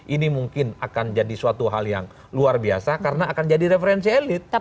ini mungkin akan jadi suatu hal yang luar biasa karena akan jadi referensi elit